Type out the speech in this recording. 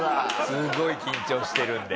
すごい緊張してるんで。